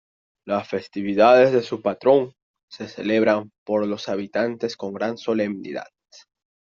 La festividad de su patrón se celebra por los habitantes con gran solemnidad.